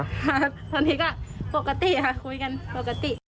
ตอนนี้ก็ปกติค่ะคุยกันปกติ